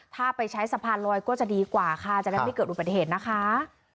ถ้าไปใช้สะพานลอยก็จะดีกว่าค่ะจะได้ไม่เกิดอุบัติเหตุนะคะ